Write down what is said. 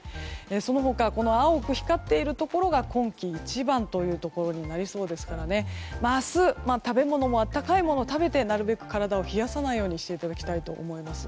その他、青く光っているところが今季一番というところになりそうですから明日、食べ物も温かいものを食べてなるべく体を冷やさないようにしていただきたいと思います。